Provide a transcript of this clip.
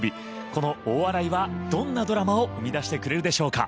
この大洗はどんなドラマを生み出してくれるでしょうか。